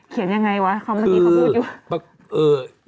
เขียนยังไงวะคำสักทีเขาพูดอยู่